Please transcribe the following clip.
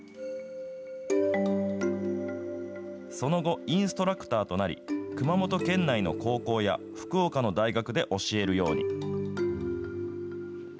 その後、インストラクターとなり、熊本県内の高校や福岡の大学で教えるように。